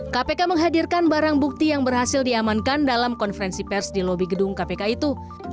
kpk menghadirkan barang bukti yang berhasil diamankan dalam konferensi pers di lobi gedung kpk itu